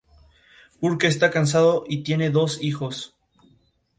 Velar por los intereses de su respectiva parroquia.